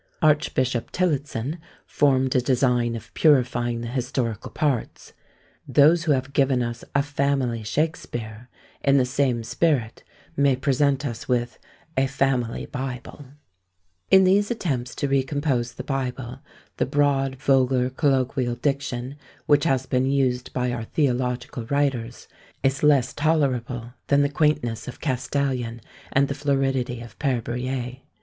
Archbishop Tillotson formed a design of purifying the historical parts. Those who have given us a Family Shakspeare, in the same spirit may present us with a Family Bible. In these attempts to recompose the Bible, the broad vulgar colloquial diction, which has been used by our theological writers, is less tolerable than the quaintness of Castalion and the floridity of PÃẀre Berruyer.